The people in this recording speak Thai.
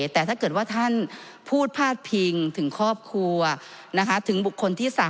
แต่ถ้าเกิดว่าท่านพูดพาดพิงถึงครอบครัวถึงบุคคลที่๓